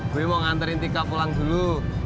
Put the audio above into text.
gue mau nganterin tika pulang dulu